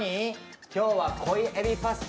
今日は濃いえびパスタ。